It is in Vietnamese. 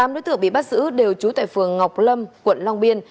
tám đối tượng bị bắt giữ đều trú tại phường ngọc lâm quận long biên